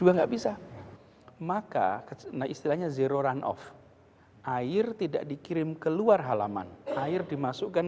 nggak bisa maka kecenderanya zero runoff air tidak dikirim keluar halaman air dimasukkan